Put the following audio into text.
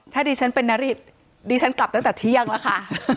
ถ้าดิฉันเป็นนฤทธิ์ดิฉันกลับตั้งแต่เที่ยงแล้วค่ะ